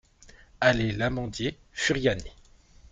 Allée l'Amandier, Furiani